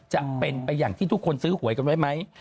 จะเป็นไปอย่างที่ทุกคนซื้อหวยกันไว้ไหม